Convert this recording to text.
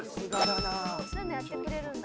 そういうのやってくれるんだ。